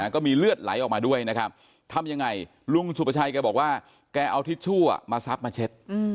ก็มีเลือดไหลออกมาด้วยนะครับทำยังไงลุงสุประชัยแกบอกว่าแกเอาทิชชู่มาซับมาเช็ด